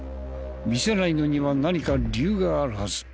見せないのには何か理由があるはず。